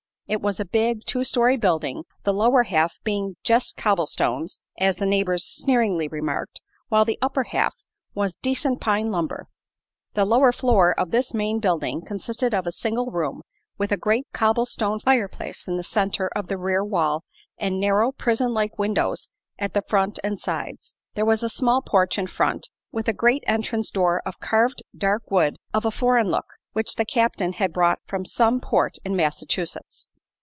It was a big, two story building, the lower half being "jest cobblestones," as the neighbors sneeringly remarked, while the upper half was "decent pine lumber." The lower floor of this main building consisted of a single room with a great cobble stone fireplace in the center of the rear wall and narrow, prison like windows at the front and sides. There was a small porch in front, with a great entrance door of carved dark wood of a foreign look, which the Captain had brought from some port in Massachusetts.